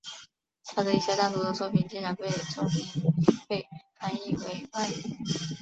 他的一些单独的作品经常被重印也被翻译为外语。